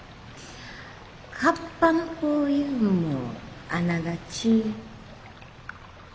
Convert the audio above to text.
カッパの子いうんもあながち。